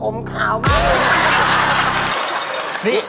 คอมขาวก็อ๋อแหละ